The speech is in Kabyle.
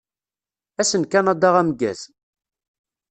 Ass n Kanada ameggaz!